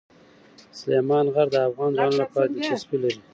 سلیمان غر د افغان ځوانانو لپاره دلچسپي لري.